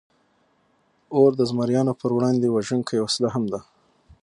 اور د زمریانو پر وړاندې وژونکې وسله هم ده.